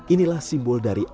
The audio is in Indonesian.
inilah simbol dari kemanten